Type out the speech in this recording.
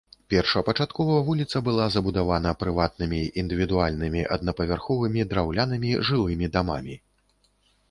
Першапачаткова вуліца была забудавана прыватнымі індывідуальнымі аднапавярховымі драўлянымі жылымі дамамі.